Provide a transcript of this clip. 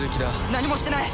何もしてない！